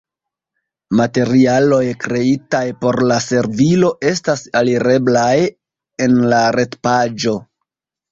Materialoj kreitaj por la servilo estas alireblaj en la retpaĝo.